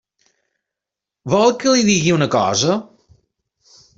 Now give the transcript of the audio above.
Vol que li digui una cosa?